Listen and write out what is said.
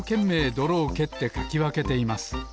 どろをけってかきわけています